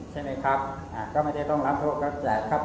ใช่ไหมครับก็ไม่ได้ต้องรับโทษ